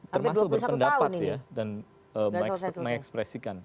termasuk berpendapat dan mengekspresikan